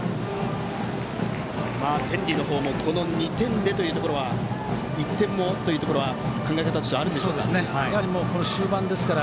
天理の方もこの２点でというところは１点もということは考え方としてはありますか。